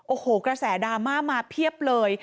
โอ้โหกระแสดราม่ามาเพียบเลย